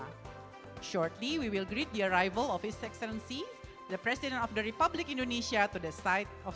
pada saat ini kami akan mengucapkan selamat datang dari pemerintah indonesia ke tempat pernikahan